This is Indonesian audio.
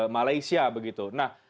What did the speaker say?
malaysia begitu nah